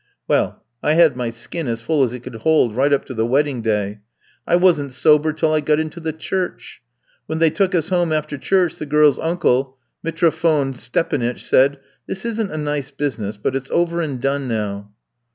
Well, I had my skin as full as it could hold right up to the wedding day. I wasn't sober till I got into the church. When they took us home after church the girl's uncle, Mitrophone Stépanytch, said: "'This isn't a nice business; but it's over and done now.'